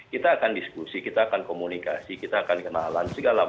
kita akan diskusi kita akan komunikasi kita akan kenalan segala macam